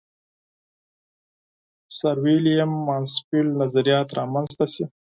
سرویلیم مانسفیلډ نظریات را منځته شي.